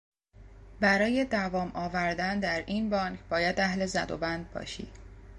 برای دوام آوردن در این بانک باید اهل زدوبند باشی.